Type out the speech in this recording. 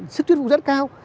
sức thuyết phục rất cao